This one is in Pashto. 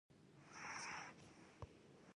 افغانستان د پامیر د شتون له امله په نړۍ شهرت لري.